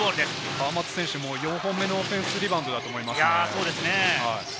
川真田選手も４本目のオフェンスリバウンドだと思いますね。